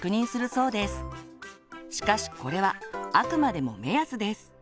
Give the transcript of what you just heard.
しかしこれはあくまでも目安です。